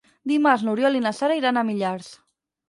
Dimarts n'Oriol i na Sara iran a Millars.